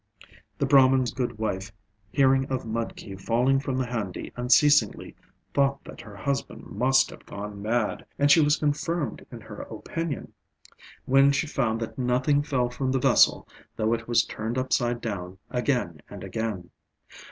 The Brahman's good wife, hearing of mudki falling from the handi unceasingly, thought that her husband must have gone mad; and she was confirmed in her opinion when she found that nothing fell from the vessel though it was turned upside down again and again.